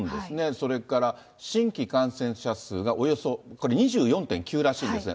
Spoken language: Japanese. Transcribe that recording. それから新規感染者数がおよそこれ、２４．９らしいんですが、